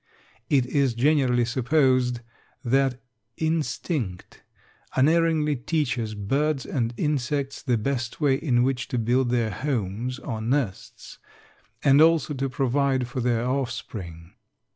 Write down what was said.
It is generally supposed that instinct unerringly teaches birds and insects the best way in which to build their homes or nests, and also to provide for their offspring.